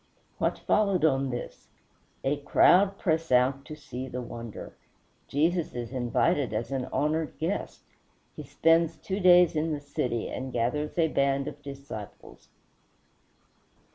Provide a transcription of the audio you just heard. What followed on this? A crowd press out to see the wonder. Jesus is invited as an honored guest; he spends two days in the city, and gathers a band of disciples.